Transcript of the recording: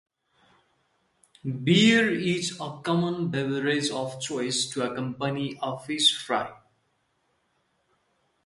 Beer is a common beverage of choice to accompany a fish fry.